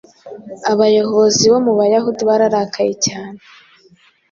abayobozi bo mu Bayahudi bararakaye cyane